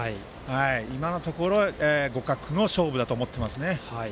今のところ、互角の勝負だと思っていますね。